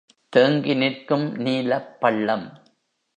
தேங்கிநிற்கும் நீலப் பள்ளம்.